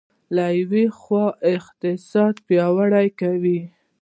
له یوې خوا اقتصاد پیاوړی کوي.